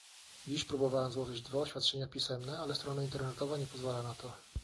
Dziś próbowałam złożyć dwa oświadczenia pisemne, ale strona internetowa nie pozwala na to